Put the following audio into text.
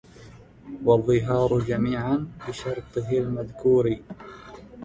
وَالظِّهَارُ جَمِيعًا بِشَرْطِهِ الْمَذْكُورِ